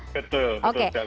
betul betul sekali